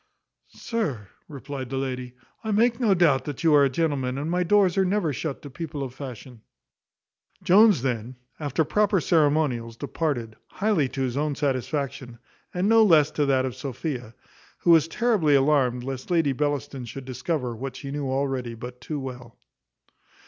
"Sir," replied the lady, "I make no doubt that you are a gentleman, and my doors are never shut to people of fashion." Jones then, after proper ceremonials, departed, highly to his own satisfaction, and no less to that of Sophia; who was terribly alarmed lest Lady Bellaston should discover what she knew already but too well.